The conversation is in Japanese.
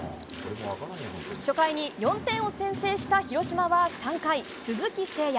初回に４点を先制した広島は３回、鈴木誠也。